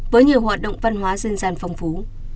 với nhiều hoạt động văn hóa dân gian phong phú